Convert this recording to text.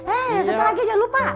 eh satu lagi jangan lupa